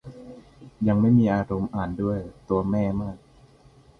ยังไม่มีอารมณ์อ่านด้วย ตัวแม่มาก